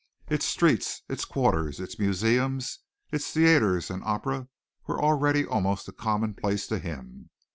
Its streets, its quarters, its museums, its theatres and opera were already almost a commonplace to him.